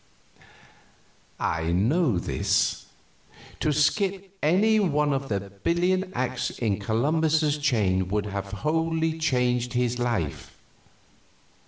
I know this. To skip any one of the billion acts in Columbus's chain would have wholly changed his life.